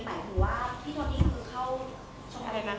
หมายถึงว่าพี่โทนี้เข้า